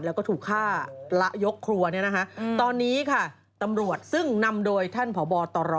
แล้วก็ถูกฆ่าละยกครัวเนี่ยนะคะตอนนี้ค่ะตำรวจซึ่งนำโดยท่านผอบตร